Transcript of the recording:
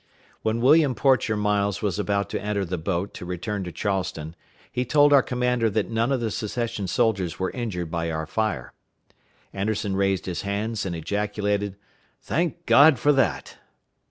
When William Porcher Miles was about to enter the boat to return to Charleston, he told our commander that none of the secession soldiers were injured by our fire. Anderson raised his hands and ejaculated, "Thank God for that!"